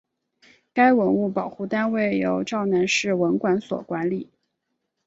该文物保护单位由洮南市文管所管理。